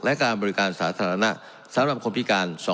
และการบริการสาธารณะสำหรับคนพิการ